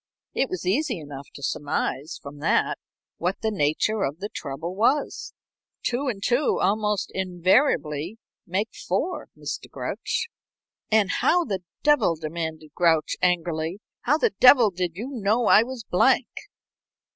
It was easy enough to surmise from that what the nature of the trouble was. Two and two almost invariably make four, Mr. Grouch." "And how the devil," demanded Grouch, angrily "how the devil did you know I was Blank?"